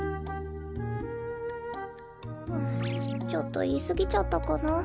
はぁちょっといいすぎちゃったかな。